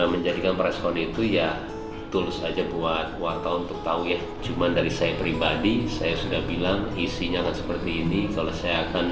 meski begitu belum ada keterangan resmi yang menjelaskan